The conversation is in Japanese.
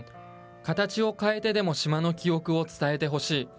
形を変えてでも島の記憶を伝えてほしい。